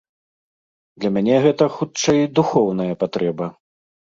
Для мяне гэта, хутчэй, духоўная патрэба.